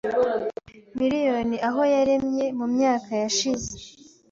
miriyoni aho yaremye mu myaka yashize,